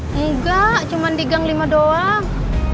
enggak cuma di gang lima doang